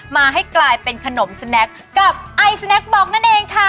มาให้กลายเป็นขนมสแนคกับไอสแนคบล็อกนั่นเองค่ะ